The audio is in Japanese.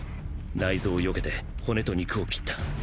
内臓を避けて骨と肉を斬った。